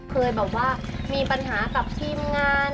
เคยแบบว่ามีปัญหากับทีมงาน